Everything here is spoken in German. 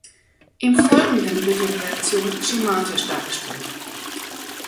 Im Folgenden wird die Reaktion schematisch dargestellt.